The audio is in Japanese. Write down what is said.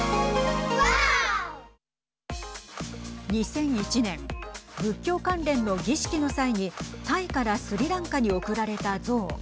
２００１年仏教関連の儀式の際にタイからスリランカに贈られた象。